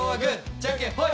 じゃんけんほい。